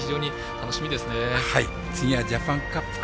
楽しみです。